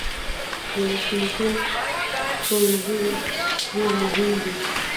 د جینکو ښوونځي ډیر مهم دی